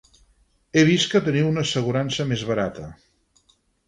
He vist que teniu una assegurança més barata.